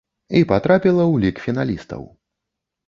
І патрапіла ў лік фіналістаў.